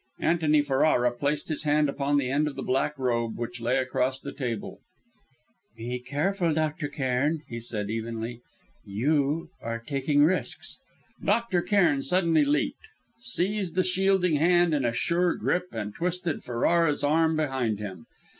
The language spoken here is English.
Antony Ferrara placed his hand upon the end of the black robe which lay across the table. "Be careful, Dr. Cairn," he said evenly. "You are taking risks." Dr. Cairn suddenly leapt, seized the shielding hand in a sure grip and twisted Ferrara's arm behind him.